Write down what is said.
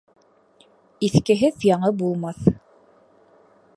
Иҫкеһеҙ яңы булмаҫ